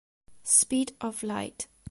Speed of Light